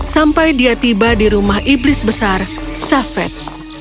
sampai dia tiba di rumah iblis besar safet